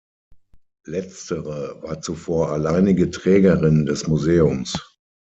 Letztere war zuvor alleinige Trägerin des Museums.